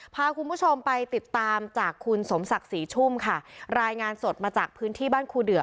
พาคุณผู้ชมไปติดตามจากคุณสมศักดิ์ศรีชุ่มค่ะรายงานสดมาจากพื้นที่บ้านครูเดือ